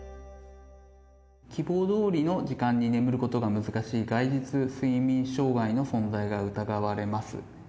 希望どおりの時間に眠ることが難しい概日睡眠障害の存在が疑われます。